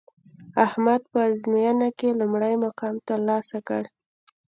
احمد په ازموینه کې لومړی مقام ترلاسه کړ